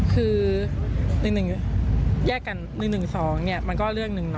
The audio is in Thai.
คือหนึ่งแยกกันหนึ่งสองมันก็เรื่องหนึ่ง